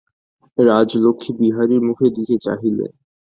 রাজলক্ষ্মী বিহারীর মুখের দিকে চাহিলেন।